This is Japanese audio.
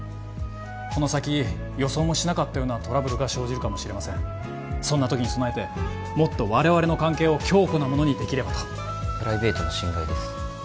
この先予想もしなかったようなトラブルが生じるかもしれませんそんな時に備えてもっと我々の関係を強固なものにできればとプライベートの侵害です